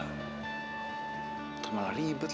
gue kan udah janji janji gue mau jagain bella